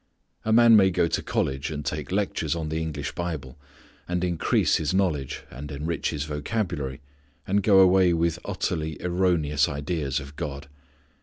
A man may go to college and take lectures on the English Bible, and increase his knowledge, and enrich his vocabulary, and go away with utterly erroneous ideas of God.